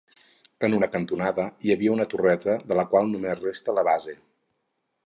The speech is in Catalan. En una cantonada hi havia una torreta de la qual només resta la base.